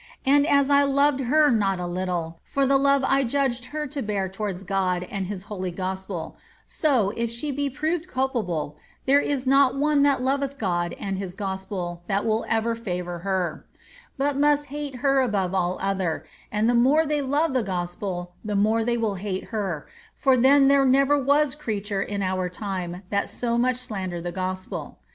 And as I loved her not a little, for the love I judged her to boar towards God and his holy Gospel, so, if she be proved culpable, tliere is not one that loveth Gud and liis Gosp«l that will ever fiivour her, but must hate her above all other, and the more they love the Gospel, the more they will hate her, for then there never was creature in onr time that so much slandered the Gospel.